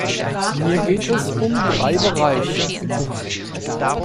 Mir geht es um drei Bereiche.